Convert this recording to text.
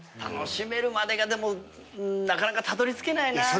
楽しめるまでがでもなかなかたどりつけないな。